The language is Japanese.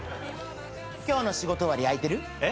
今日の仕事終わり空いてる？えっ？